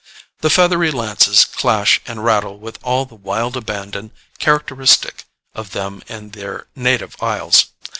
The feathery lances clash and rattle with all the wild abandon characteristic of them in their native isles.